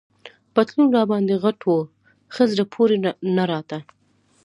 پتلون راباندي غټ وو، ښه زړه پورې نه راته.